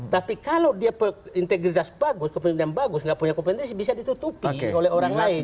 tapi kalau dia integritas bagus kepemimpinan bagus nggak punya kompetensi bisa ditutupi oleh orang lain